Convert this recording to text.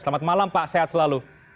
selamat malam pak sehat selalu